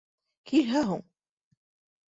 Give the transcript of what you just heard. Килһә һуң.